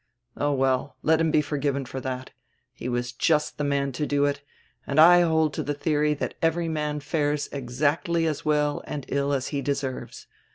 Oh well, let him be forgiven for diat; he was just die man to do it, and I hold to die theory diat every man fares exacdy as well and as ill as he deserves.